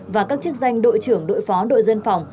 và các chức danh đội trưởng đội phó đội dân phòng